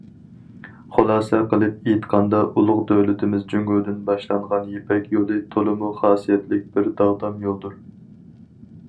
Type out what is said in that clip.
خۇلاسە قىلىپ ئېيتقاندا، ئۇلۇغ دۆلىتىمىز جۇڭگودىن باشلانغان يىپەك يولى تولىمۇ خاسىيەتلىك بىر داغدام يولدۇر.